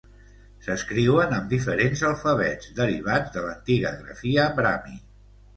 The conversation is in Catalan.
S'escriuen amb diferents alfabets derivats de l'antiga grafia brahmi.